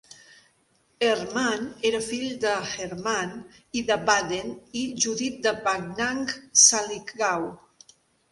Hermann era fill de Hermann I de Baden i Judit de Backnang-Sulichgau.